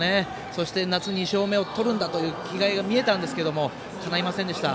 そして夏２勝目をとるんだという気概が見えたんですけどもかないませんでした。